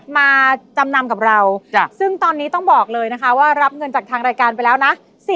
มาจำนำกับเราซึ่งตอนนี้ต้องบอกเลยนะคะว่ารับเงินจากทางรายการไปแล้วนะ